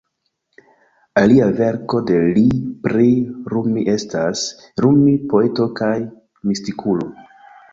Alia verko de li pri Rumi estas: Rumi, poeto kaj mistikulo.